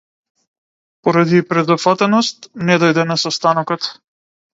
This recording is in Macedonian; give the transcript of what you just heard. Поради презафатеност не дојде на состанокот.